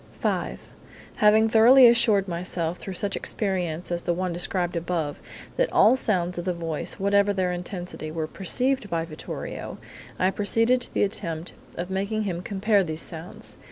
"V: Having thoroughly assured myself, through such experiments as the one described above, that all sounds of the voice, whatever their intensity, were perceived by Vittorio, I proceeded to the attempt of making him compare these sounds.